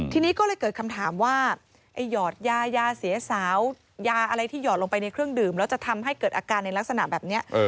ทีนี้ก็เลยเกิดคำถามว่าไอ้หยอดยายาเสียสาวยาอะไรที่หอดลงไปในเครื่องดื่มแล้วจะทำให้เกิดอาการในลักษณะแบบนี้